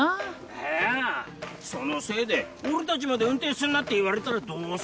ああそのせいでおらたちまで運転すんなって言われたらどうするだ？